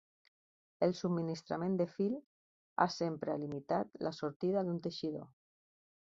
El subministrament de fil ha sempre limitat la sortida d'un teixidor.